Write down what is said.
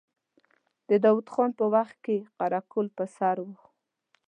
د داود خان په وخت کې يې قره قل پر سر و.